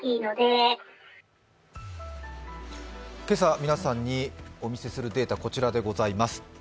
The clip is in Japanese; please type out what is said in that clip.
今朝、皆さんにお見せするデータ、こちらでございます。